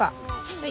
はい。